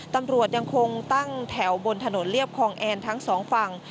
ตำรวจยังคงตั้งแถวบนถนนเรียบคลองแอนทั้งสองฝั่ง